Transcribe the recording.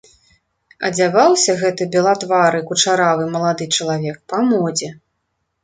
Адзяваўся гэты белатвары кучаравы малады чалавек па модзе.